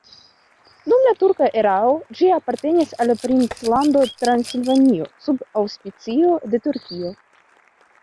Dum la turka erao ĝi apartenis al Princlando Transilvanio sub aŭspicio de Turkio.